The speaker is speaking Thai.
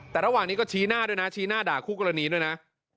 แต่ระหว่างนี้ก็ชี้หน้าด่าคู่กรณีด้วยนะ